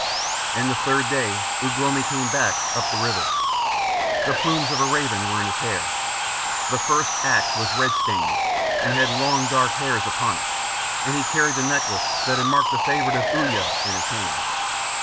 And the third day Ugh lomi came back, up the river. The plumes of a raven were in his hair. The first axe was red stained, and had long dark hairs upon it, and he carried the necklace that had marked the favourite of Uya in his hand.